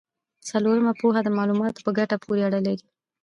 څلورمه پوهه د معلوماتو په ګټه پورې اړه لري.